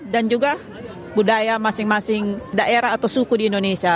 dan juga budaya masing masing daerah atau suku di indonesia